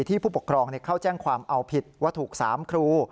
ผู้ปกครองเข้าแจ้งความเอาผิดว่าถูก๓ครู